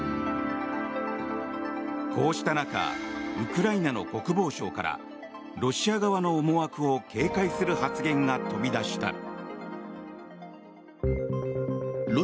こうした中ウクライナの国防省からロシア側の思惑を警戒する発言が飛び出した。